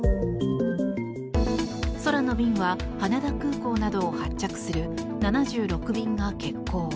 空の便は、羽田空港などを発着する７６便が欠航。